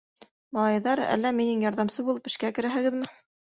— Малайҙар, әллә миңә ярҙамсы булып эшкә керәһегеҙме?